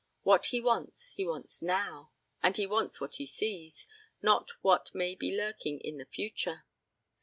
What he wants he wants now and he wants what he sees, not what may be lurking in the future.